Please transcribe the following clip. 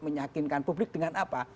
menyakinkan publik dengan apa